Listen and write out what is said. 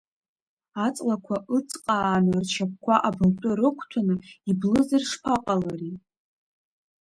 Аҵлақәа ыҵҟааны ршьапқәа абылтәы рықәҭәаны иблызар шԥаҟалари?